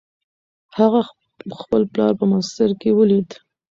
هغه خپل پلار په مصر کې ولید.